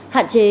một hạn chế